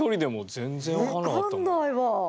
分かんないわ。